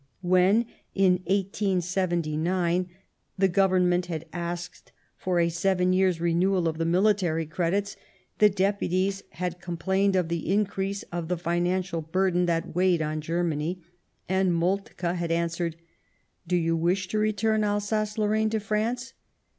When, in 18^9, the Government had asked for a seven years' renewal of the military credits, the Depu ties had complained of the increase of the financial burden that weighed on Germany, and Moltke had answered :" Do you wish to return Alsace Lorraine to France